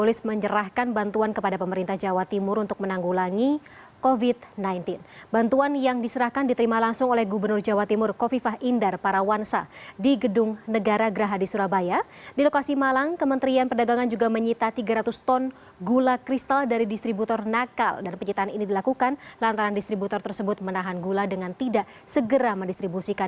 lantaran distributor tersebut menahan gula dengan tidak segera mendistribusikan kepada masyarakat